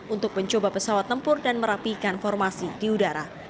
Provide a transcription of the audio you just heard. untuk mencoba pesawat tempur dan merapikan formasi di udara